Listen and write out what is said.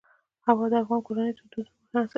هوا د افغان کورنیو د دودونو مهم عنصر دی.